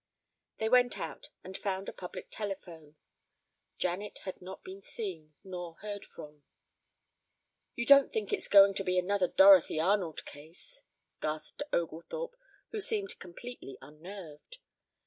They went out and found a public telephone. Janet had not been seen nor heard from. "You don't think it's going to be another Dorothy Arnold case?" gasped Oglethorpe, who seemed completely unnerved.